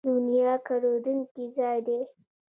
دنیا د کروندې ځای دی